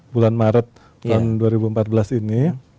bulan maret tahun dua ribu empat belas ini